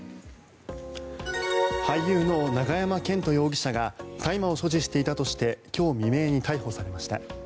俳優の永山絢斗容疑者が大麻を所持していたとして今日未明に逮捕されました。